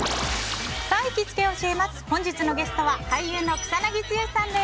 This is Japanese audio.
本日のゲストは俳優の草なぎ剛さんです。